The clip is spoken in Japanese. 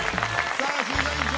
さあ審査委員長